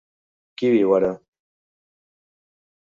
Qui viu ara?